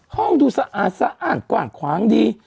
ห้องดูสะอาดกว้างคว้างดี